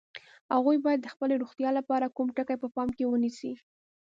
هغوی باید د خپلې روغتیا لپاره کوم ټکي په پام کې ونیسي؟